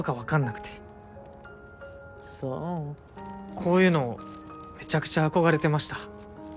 こういうのめちゃくちゃ憧れてました。